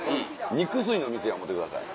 肉吸いの店や思うてください。